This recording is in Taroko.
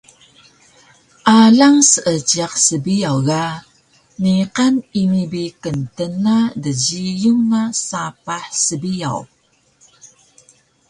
Alang Seejiq sbiyaw ga niqan ini bi ktna djiyun na sapah sbiyaw